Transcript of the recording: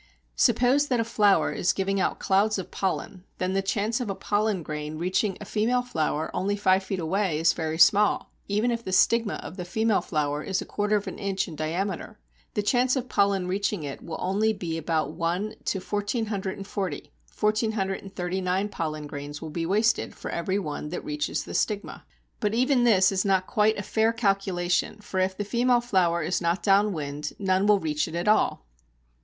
Suppose that a flower is giving out clouds of pollen, then the chance of a pollen grain reaching a female flower only five feet away is very small, even if the stigma of the female flower is a quarter of an inch in diameter. The chance of pollen reaching it will only be about 1 to 1440; 1439 pollen grains will be wasted for every one that reaches the stigma. But even this is not quite a fair calculation, for if the female flower is not down wind, none will reach it at all!